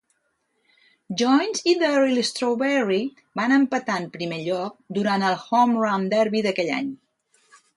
Joynes i Darryl Strawberry van empatar en primer lloc durant el "Home Run Derby" d'aquell any.